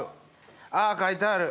あぁ書いてある。